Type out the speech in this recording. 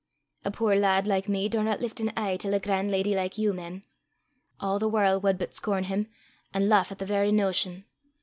A puir lad like me daurna lift an ee till a gran' leddy like you, mem. A' the warl' wad but scorn him, an' lauch at the verra notion.